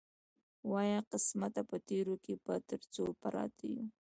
وایه قسمته په تېرو کې به تر څو پراته وي.